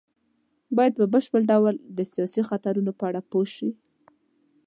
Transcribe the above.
بايد په بشپړ ډول د سياسي خطرونو په اړه پوه شي.